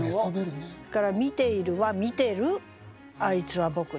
それから「見ている」は「見てる『あいつは僕だ』」。